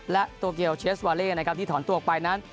และโตเกียวเชสวาเล่นะที่ถอนตัวออกไปนั้น